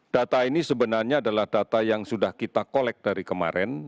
data ini sebenarnya adalah data yang sudah kita kolek dari kemarin